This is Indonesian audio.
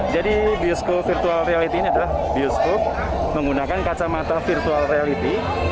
jadi bioskop virtual reality ini adalah bioskop menggunakan kacamata virtual reality